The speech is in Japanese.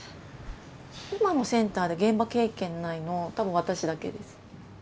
今のセンターで現場経験ないの多分私だけです。